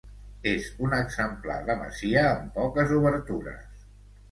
És un exemplar de masia amb poques obertures.